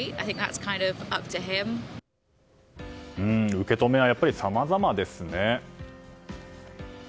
受け止めはやっぱりさまざまですね。